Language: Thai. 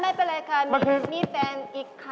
หรือเปล่าค่ะไม่เป็นไรค่ะมีแฟนอีกค่ะ